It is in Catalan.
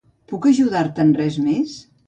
Puc ajudar-te en res més?